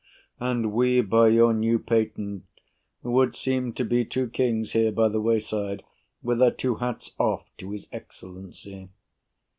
And we, by your new patent, Would seem to be two kings here by the wayside, With our two hats off to his Excellency.